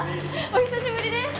お久しぶりです！